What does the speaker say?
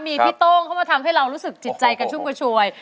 มีพี่โต้งเข้ามาทำให้เรารู้สึกจิตใจกระชุ่มกระชวย